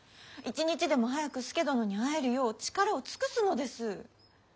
一日でも早く佐殿に会えるよう力を尽くすのです。